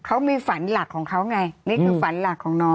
เขามีฝันหลักของเขาไงนี่คือฝันหลักของน้อง